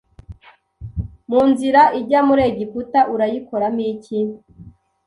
mu nzira ijya muri Egiputa urayikoramo iki